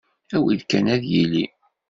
Awi-d kan ad yili!